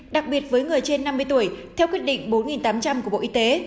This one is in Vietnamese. đặc biệt với người trên năm mươi tuổi theo quyết định bốn tám trăm linh của bộ y tế